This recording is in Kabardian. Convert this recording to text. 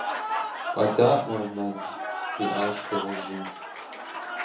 - КъэдаӀуэ, мэл, - жиӀащ дыгъужьым.